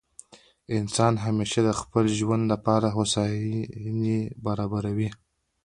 انسان همېشه د خپل ژوند له پاره هوسایني برابروي.